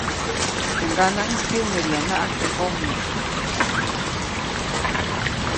Teʼ ŋganaʼŋis kyäŋʼäbyanaʼajk teʼ ŋgomi.